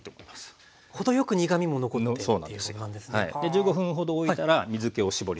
１５分ほどおいたら水けを絞ります。